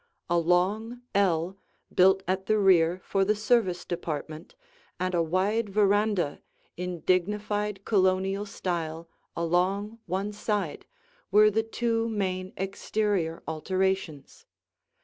A long ell, built at the rear for the service department, and a wide veranda in dignified Colonial style along one side were the two main exterior alterations.